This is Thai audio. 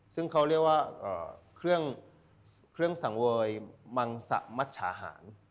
ซึ่งเขาเรียกว่าเครื่องสังเวยมังสะมัชชาหาร